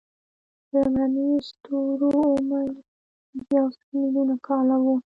د لومړنیو ستورو عمر یو سل ملیونه کاله و.